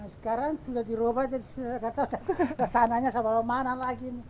sekarang sudah diubah jadi gak tau sasananya sama mana lagi